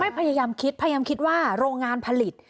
พยายามคิดพยายามคิดว่าโรงงานผลิต